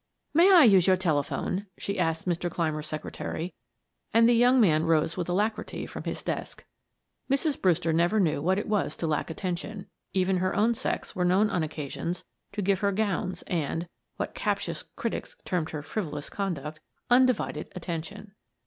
"May I use your telephone?" she asked Mr. Clymer's secretary, and the young man rose with alacrity from his desk. Mrs. Brewster never knew what it was to lack attention, even her own sex were known on occasions to give her gowns and, (what captious critics termed her "frivolous conduct") undivided attention.